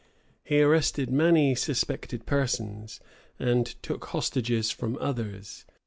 He arrested many suspected persons, and took hostages from others.